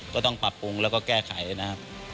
ก็ต้องปรับปรุงแล้วก็แก้ไขนะครับ